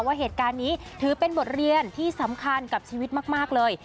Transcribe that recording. ว่าเหตุการณ์นี้ถือเป็นบทเรียนที่สำคัญกับชีวิตมากเลย